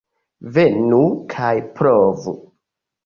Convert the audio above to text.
Venu kaj provu!